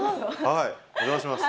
はいお邪魔します。